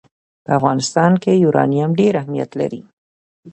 په افغانستان کې یورانیم ډېر اهمیت لري.